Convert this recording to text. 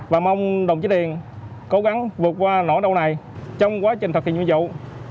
và mong đồng chí điền cố gắng vượt qua nỗi đau này trong quá trình thực hiện nhiệm vụ